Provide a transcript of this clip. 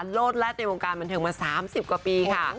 โลดแรดในวงการบันเทิงมา๓๐กว่าปีค่ะ